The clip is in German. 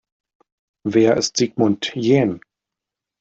Wer ist Sigmund Jähn?